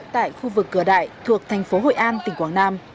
tại khu vực cửa đại thuộc thành phố hội an tỉnh quảng nam